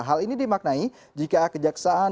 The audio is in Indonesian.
hal ini dimaknai jika kejaksaan